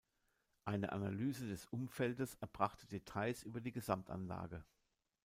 Eine Analyse des Umfeldes erbrachte Details über die Gesamtanlage.